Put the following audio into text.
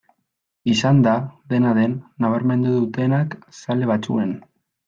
Izan da, dena den, nabarmendu dutenak zale batzuen.